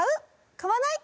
買わない？